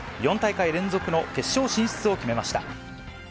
４大会連続の決勝進出を決めました。